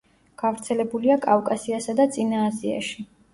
გავრცელებულია კავკასიასა და წინა აზიაში.